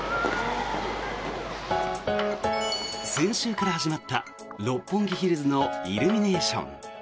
先週から始まった六本木ヒルズのイルミネーション。